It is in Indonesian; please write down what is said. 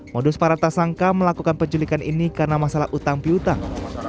modus para tersangka melakukan penculikan ini karena masalah utang piutang